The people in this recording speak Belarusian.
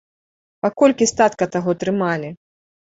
Па колькі статка таго трымалі?